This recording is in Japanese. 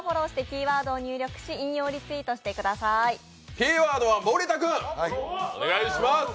キーワードは森田君お願いします。